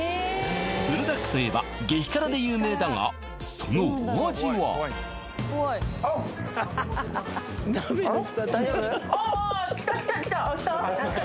ブルダックといえば激辛で有名だがそのお味はきた？